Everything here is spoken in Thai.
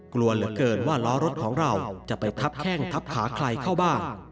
กลัวเหลือเกินว่าล้อรถของเราจะไปทับแข้งทับขาใครเข้าบ้าง